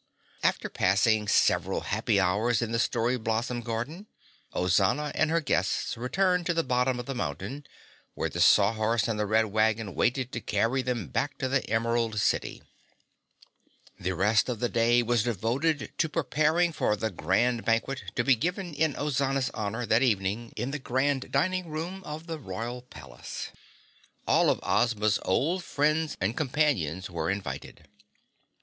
After passing several happy hours in the Story Blossom Garden, Ozana and her guests returned to the bottom of the mountain, where the Sawhorse and the Red Wagon waited to carry them back to the Emerald City. The rest of the day was devoted to preparing for the Grand Banquet to be given in Ozana's honor that evening in the Grand Dining Room of the Royal Palace. All of Ozma's old friends and companions were invited.